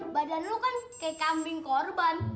badan lo kan kayak kambing korban